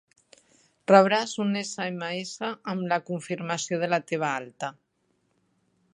Rebràs un essa ema essa amb la confirmació de la teva alta.